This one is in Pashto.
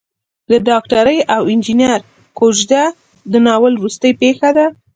د ډاکټرې او انجنیر کوژده د ناول وروستۍ پېښه ده.